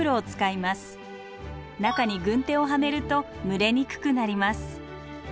中に軍手をはめると蒸れにくくなります。